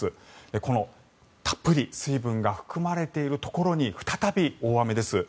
このたっぷり水分が含まれているところに再び大雨です。